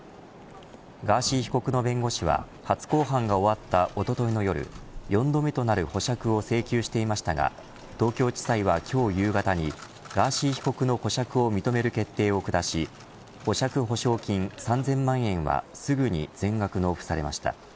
ガーシー被告の弁護士は初公判が終わったおとといの夜４度目となる保釈を請求していましたが東京地裁は今日夕方にガーシー被告の保釈を認める決定を下し保釈保証金３０００万円はすぐに全額納付されました。